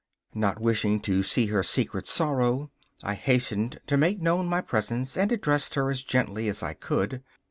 Not wishing to see her secret sorrow, I hastened to make known my presence, and addressed her as gently as I could.